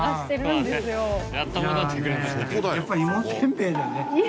じゃあねやっぱ芋せんべいだね。